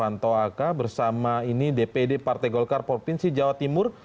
pantau aka bersama ini dpd partai golkar provinsi jawa timur